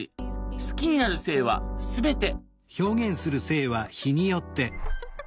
好きになる性は全て。